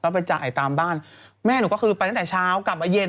ไปจ่ายตามบ้านแม่หนูก็คือไปตั้งแต่เช้ากลับมาเย็น